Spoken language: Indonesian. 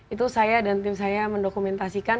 itu saya dan tim saya mendokumentasikan